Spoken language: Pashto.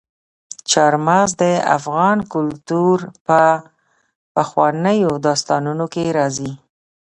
چار مغز د افغان کلتور په پخوانیو داستانونو کې راځي.